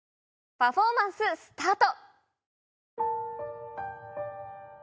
パフォーマンススタート。